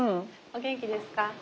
お元気ですか？